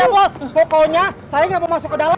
pokoknya saya gak mau masuk ke dalam